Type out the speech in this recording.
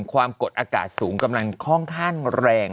ความกดอากาศสูงกำลังค่อนข้างแรง